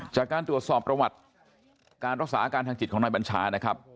จากการตรวจสอบประวัติการรักษาอาการทางจิตของนายบัญชานะครับ